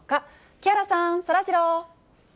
木原さん、そらジロー。